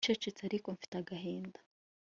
Ncecetse ariko mfite agahinda